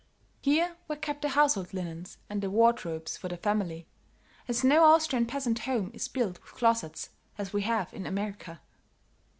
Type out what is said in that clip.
Here were kept the household linens and the wardrobes for the family, as no Austrian peasant home is built with closets as we have in America.